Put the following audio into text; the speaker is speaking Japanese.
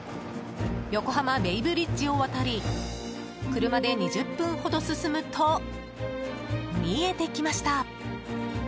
横浜ベイブリッジを渡り車で２０分ほど進むと見えてきました。